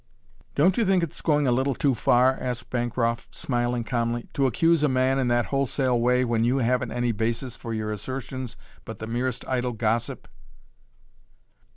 "Don't you think it's going a little too far," asked Bancroft, smiling calmly, "to accuse a man in that wholesale way when you haven't any basis for your assertions but the merest idle gossip?"